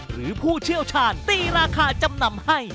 ผู้เชี่ยวชาญตีราคาจำนำให้